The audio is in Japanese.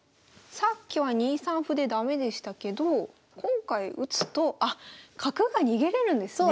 さっきは２三歩で駄目でしたけど今回打つとあっ角が逃げれるんですね！